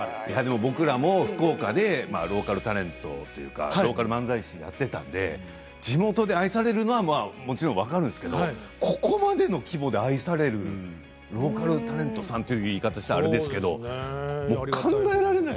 僕らも福岡でローカルタレントというかローカル漫才師やっていたので地元で愛されるのはもちろん分かるんですけれどここまでの規模で愛されるローカルタレントさんといった言い方をしたらあれですけれども考えられない。